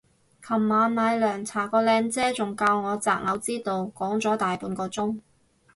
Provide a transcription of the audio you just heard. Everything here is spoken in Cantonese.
尋晚買涼茶個靚姐仲教我擇偶之道講咗大半個鐘